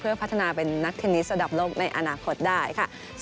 เพื่อพัฒนาเป็นนักเทนนิตรสำหรับโลกในอนาคตได้ค่ะ